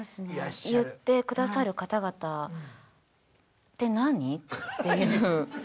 言ってくださる方々って何？っていう。